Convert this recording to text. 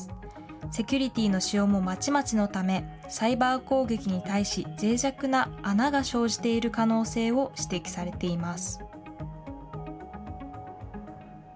セキュリティーの仕様もまちまちのため、サイバー攻撃に対し、ぜい弱な穴が生じている可能性を指摘されています。